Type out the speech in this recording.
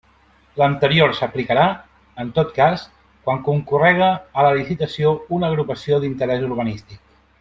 L'anterior s'aplicarà, en tot cas, quan concórrega a la licitació una agrupació d'interés urbanístic.